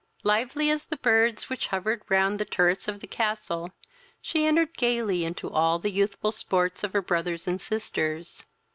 Lively as the birds which hovered round the turrets of the castle, she entered gaily into all the youthful sports of her brothers and sisters.